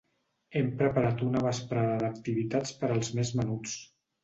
Hem preparat una vesprada d'activitats per als més menuts.